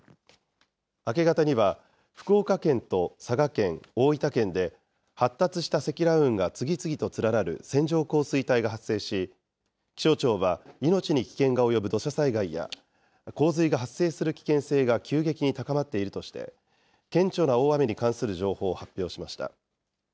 明け方には福岡県と佐賀県、大分県で、発達した積乱雲が次々と連なる線状降水帯が発生し、気象庁は命に危険が及ぶ土砂災害や洪水が発生する危険性が急激に高まっているとして、顕著な大雨に関する情報を発表しました。